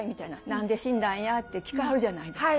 何で死んだんやって聞かはるじゃないですか。